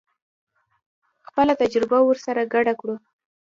خپله تجربه ورسره ګډه کړو.